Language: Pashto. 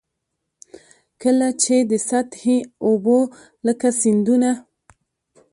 کله چي د سطحي اوبو لکه سیندونه.